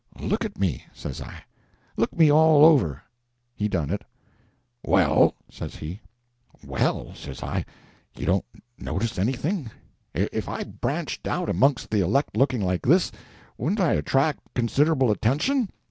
"Look at me," says I, "look me all over." He done it. "Well?" says he. "Well," says I, "you don't notice anything? If I branched out amongst the elect looking like this, wouldn't I attract considerable attention?